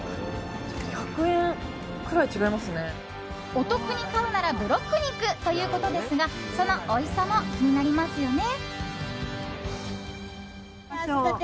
お得に買うならブロック肉！ということですがそのおいしさも気になりますよね。